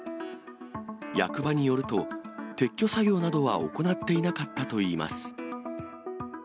役場によると、撤去作業などは行っていなかったといいます。